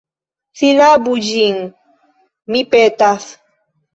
Silabu ĝin, mi petas.